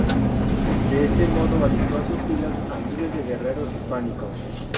De ese modo alistó en sus filas a miles de guerreros hispánicos.